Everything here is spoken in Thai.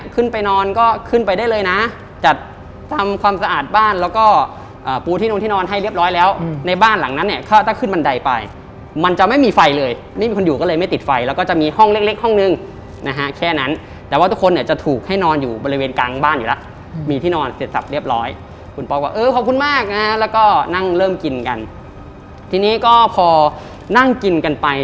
ขึ้นไปได้เลยนะจัดทำความสะอาดบ้านแล้วก็ปูที่นอนที่นอนให้เรียบร้อยแล้วในบ้านหลังนั้นเนี่ยเขาตั้งขึ้นบันไดไปมันจะไม่มีไฟเลยไม่มีคนอยู่ก็เลยไม่ติดไฟแล้วก็จะมีห้องเล็กห้องนึงนะฮะแค่นั้นแต่ว่าทุกคนเนี่ยจะถูกให้นอนอยู่บริเวณกลางบ้านอยู่แล้วมีที่นอนเสร็จสรรพเรียบร้อยคุณป๊อกว่าเออขอบคุณมากนะ